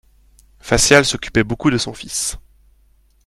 Facial s'occupait beaucoup de son fils.